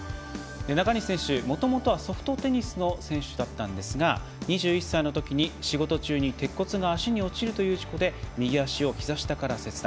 中西選手、もともとソフトテニスの選手でしたが２１歳のときに仕事中に鉄骨が足に落ちるという事故で右足をひざ下から切断。